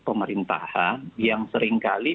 pemerintahan yang seringkali